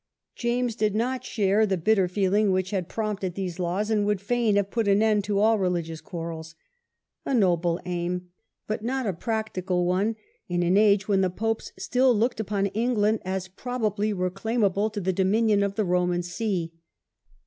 James did not share the bitter THE GUNPOWDER PLOT. feeling which had prompted these laws, and would fain have put an end to all religious quarrels. A noble aim ; but not a practical one in an age when the Popes still looked upon England as probably reclaimable to the dominion of the Roman see.